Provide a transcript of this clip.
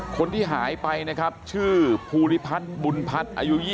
คนที่หายไปนะครับชื่อภูริพัฒบุญพัฒ